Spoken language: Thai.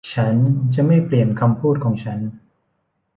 ฉันจะไม่เปลี่ยนคำพูดของฉัน